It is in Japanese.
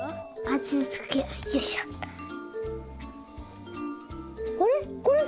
あれ？